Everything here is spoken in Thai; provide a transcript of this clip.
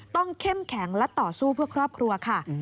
เข้มแข็งและต่อสู้เพื่อครอบครัวค่ะ